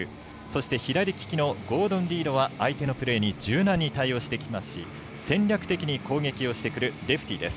左利きのゴードン・リードは相手のプレーに柔軟に対応してきますし戦略的に攻撃をしてくるレフティです。